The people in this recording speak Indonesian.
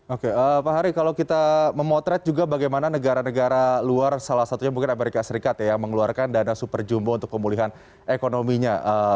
oke pak hari kalau kita memotret juga bagaimana negara negara luar salah satunya mungkin amerika serikat yang mengeluarkan dana super jumbo untuk pemulihan ekonominya